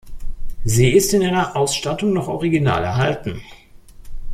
Sie ist in ihrer Ausstattung noch original erhalten.